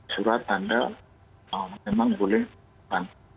surat tanda memang boleh